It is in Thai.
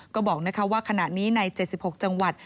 ก็บอกว่าขณะนี้ใน๗๖จังหวัด